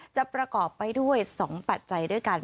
ประกอบไปด้วย๒ปัจจัยด้วยกัน